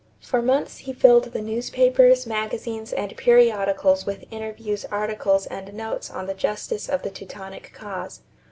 For months he filled the newspapers, magazines, and periodicals with interviews, articles, and notes on the justice of the Teutonic cause.